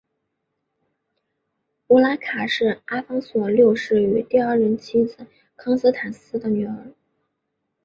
乌拉卡是阿方索六世与第二任妻子康斯坦丝的女儿。